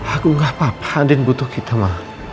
aku gak apa apa andin butuh kita ma